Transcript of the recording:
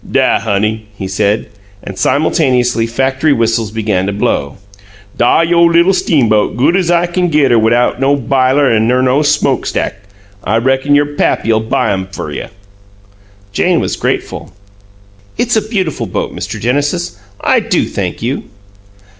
"Dah, honey," he said and simultaneously factory whistles began to blow. "Dah yo' li'l' steamboat good as I kin git her widout no b'iler ner no smokestack. I reckon yo' pappy 'll buy 'em fer you." Jane was grateful. "It's a beautiful boat, Mr. Genesis. I do thank you!"